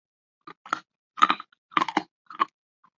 加尔拉韦。